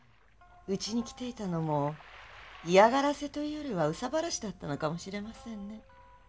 うちに来ていたのも嫌がらせというよりは憂さ晴らしだったのかもしれませんね。